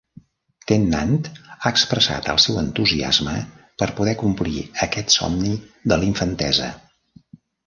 Tennant ha expressat el seu entusiasme per poder complir aquest somni de l'infantesa.